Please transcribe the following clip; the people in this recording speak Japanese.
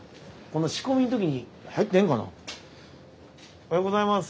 おはようございます。